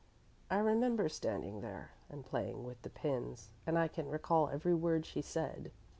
I remember standing there and playing with the pins, and I can recall every word she said.